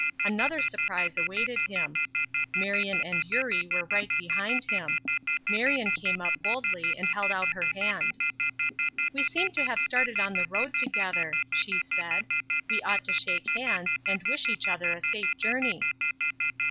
Another surprise a waited him. Marion and Eurie were right behind him. Marion came up boldly and held out her hand: "We seem to have started on the road together," she said. "We ought to shake hands, and wish each other a safe journey."